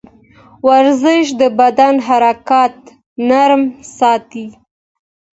ورزش د بدن حرکات نرم ساتي.